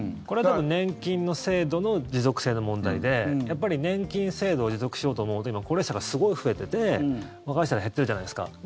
これは多分年金の制度の持続性の問題でやっぱり年金制度を持続しようと思うと今、高齢者がすごい増えてて若い人は減ってるじゃないですか。